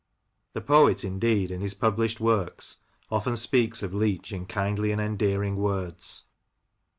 The poet, indeed, in his published works, often speaks of Leach in kindly and endearing words.